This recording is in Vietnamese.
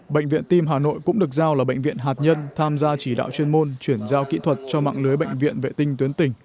bệnh viện tim hà nội cũng được giao là bệnh viện hạt nhân tham gia chỉ đạo chuyên môn chuyển giao kỹ thuật cho mạng lưới bệnh viện vệ tinh tuyến tỉnh